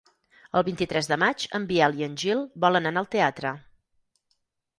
El vint-i-tres de maig en Biel i en Gil volen anar al teatre.